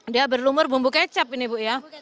dia berlumur bumbu kecap ini bu ya